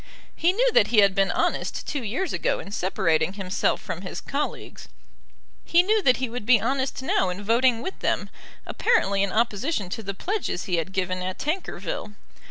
He knew that he had been honest two years ago in separating himself from his colleagues. He knew that he would be honest now in voting with them, apparently in opposition to the pledges he had given at Tankerville.